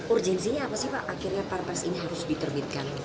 urgensinya apa sih pak akhirnya perpres ini harus diterbitkan